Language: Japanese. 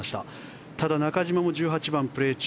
ただ中島も１８番をプレー中。